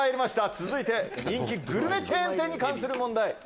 続いて人気グルメチェーン店に関する問題